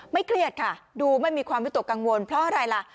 เครียดค่ะดูไม่มีความวิตกกังวลเพราะอะไรล่ะ